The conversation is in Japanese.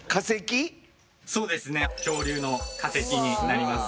そうですね恐竜の化石になります。